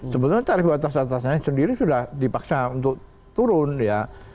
sebenarnya tarif batas atasnya sendiri sudah dipaksa untuk turun ya